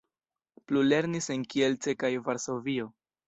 Plu lernis en Kielce kaj Varsovio.